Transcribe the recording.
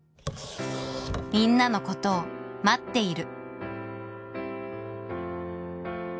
「みんなのことを待っている」